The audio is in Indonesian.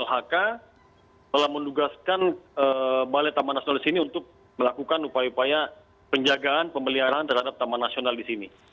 lhk telah mendugaskan balai taman nasional di sini untuk melakukan upaya upaya penjagaan pemeliharaan terhadap taman nasional di sini